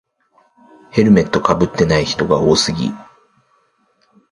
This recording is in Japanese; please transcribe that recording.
ヘルメットかぶってない人が多すぎ